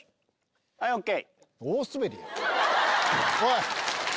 はいＯＫ！